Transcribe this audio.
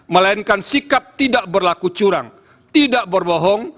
melainkan sikap tidak berlaku curang tidak berbohong